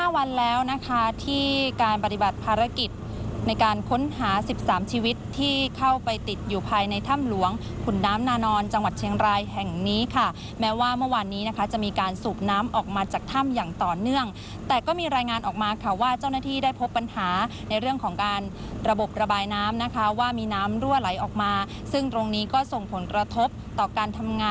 แล้วนะคะที่การปฏิบัติภารกิจในการค้นหา๑๓ชีวิตที่เข้าไปติดอยู่ภายในถ้ำหลวงขุนน้ำนานอนจังหวัดเชียงรายแห่งนี้ค่ะแม้ว่าเมื่อวานนี้นะคะจะมีการสูบน้ำออกมาจากถ้ำอย่างต่อเนื่องแต่ก็มีรายงานออกมาค่ะว่าเจ้าหน้าที่ได้พบปัญหาในเรื่องของการระบบระบายน้ำนะคะว่ามีน้ำรั่วไหลออกมาซึ่งตรงนี้ก็ส่งผลกระทบต่อการทำงาน